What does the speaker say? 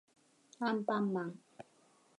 アンパンマン